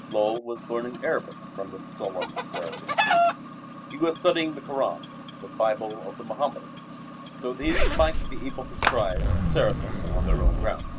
Lull was learning Arabic from this sullen Saracen slave. He was studying the Koran the Bible of the Mohammedans so that he might be able to strive with the Saracens on their own ground.